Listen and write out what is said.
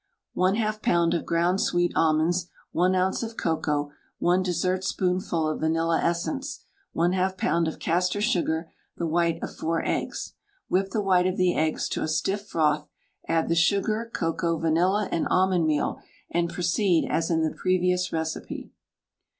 1/2 lb. of ground sweet almonds, 1 oz. of cocoa, 1 dessertspoonful of vanilla essence, 1/2 lb. of castor sugar, the white of 4 eggs. Whip the white of the eggs to a stiff froth, add the sugar, cocoa, vanilla, and almond meal, and proceed as in the previous recipe.